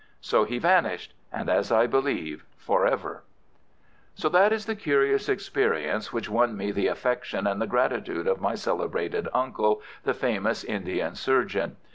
So he vanished, and, as I believe, for ever." So that is the curious experience which won me the affection and the gratitude of my celebrated uncle, the famous Indian surgeon.